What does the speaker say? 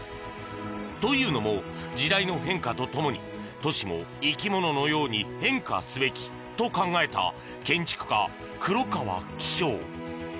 というのも、時代の変化と共に都市も生き物のように変化すべきと考えた建築家・黒川紀章。